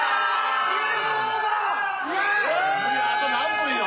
あと何分よ？